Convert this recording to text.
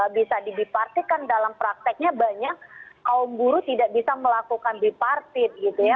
bisa dibipartikan dalam prakteknya banyak kaum buruh tidak bisa melakukan bipartit gitu ya